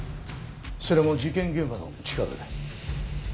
それも事件現場の近くで。